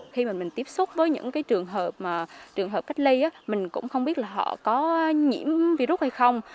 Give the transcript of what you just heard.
khi mà mình tiếp xúc với những trường hợp cách ly mình cũng không biết là họ có nhiễm virus hay không